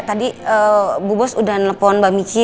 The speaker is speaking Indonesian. tadi bu bos udah nelfon mbak michi